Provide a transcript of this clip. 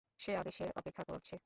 সে আদেশের অপেক্ষা করছে।